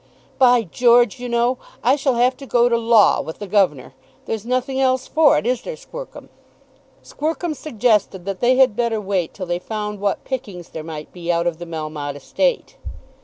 "By George, you know, I shall have to go to law with the governor. There's nothing else for it; is there, Squercum?" Squercum suggested that they had better wait till they found what pickings there might be out of the Melmotte estate.